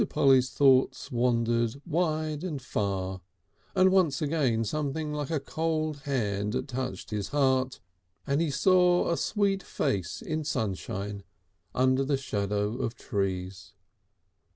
Polly's thoughts wandered wide and far, and once again something like a cold hand touched his heart, and he saw a sweet face in sunshine under the shadow of trees.